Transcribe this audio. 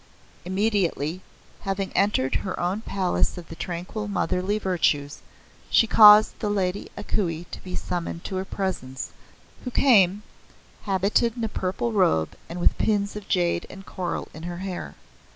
Immediately, having entered her own palace of the Tranquil Motherly Virtues, she caused the Lady A Kuei to be summoned to her presence, who came, habited in a purple robe and with pins of jade and coral in her hair.